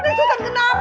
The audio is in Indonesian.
nek susan kenapa